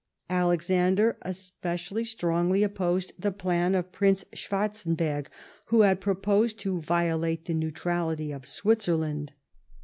Alexander, especially, strongly opposed the plan of Prince Schwarzcnberg, who had proposed to violate the neutrality of Switzerland.